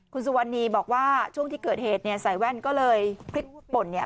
คุณสุวรรณีบอกว่าช่วงที่เกิดเหตุเนี่ยใส่แว่นก็เลยพลิกป่นเนี่ย